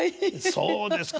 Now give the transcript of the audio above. そうですか。